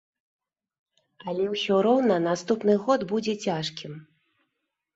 Але ўсё роўна наступны год будзе цяжкім.